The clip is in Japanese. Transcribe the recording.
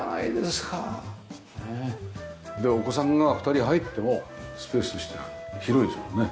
でお子さんが２人入ってもスペースとしては広いですもんね。